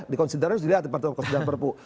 di konstitusi dilihat di pertemuan perpu